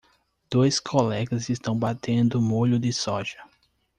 Dois colegas estão batendo molho de soja